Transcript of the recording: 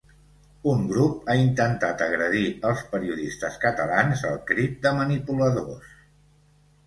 Un grup ha intentat agredir els periodistes catalans al crit de ‘Manipuladors!’